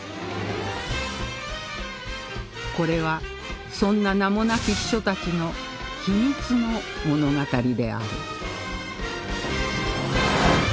これはそんな名もなき秘書たちの秘密の物語である